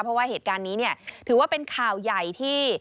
เพราะว่าเหตุการณ์นี้เนี่ยถือว่าเป็นข่าวใหญ่ที่